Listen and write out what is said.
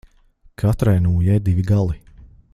Katrai nūjai divi gali.